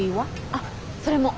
あそれも。